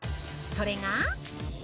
それが？